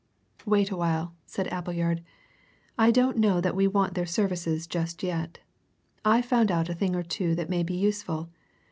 "Wait a while," said Appleyard. "I don't know that we want their services just yet. I've found out a thing or two that may be useful.